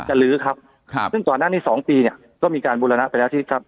ลื้อครับครับซึ่งก่อนหน้านี้สองปีเนี่ยก็มีการบูรณะไปแล้วที่ครับ